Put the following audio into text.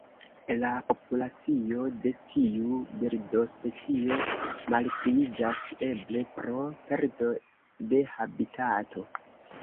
La populacio de tiu birdospecio malpliiĝas, eble pro perdo de habitato.